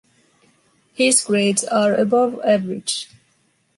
His grades are above average.